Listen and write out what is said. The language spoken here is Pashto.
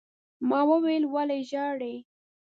ما وويل: ولې ژاړې؟